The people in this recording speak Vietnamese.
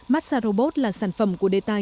massabot là sản phẩm của đề tài